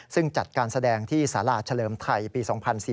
ซึ่งจัดการแสดงที่สาราเฉลิมไทยปี๒๔๔